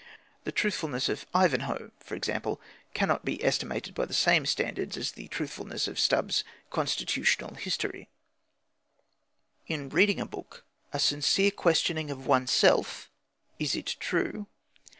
The truthfulness of Ivanhoe, for example, cannot be estimated by the same standards as the truthfulness of Stubbs's Constitutional History.) In reading a book, a sincere questioning of oneself, "Is it true?"